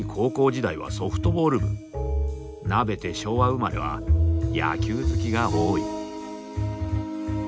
なべて昭和生まれは野球好きが多い。